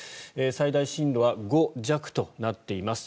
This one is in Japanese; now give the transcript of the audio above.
最大震度は５弱となっています。